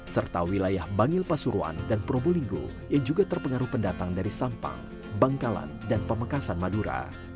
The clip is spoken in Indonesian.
serta wilayah bangil pasuruan dan probolinggo yang juga terpengaruh pendatang dari sampang bangkalan dan pamekasan madura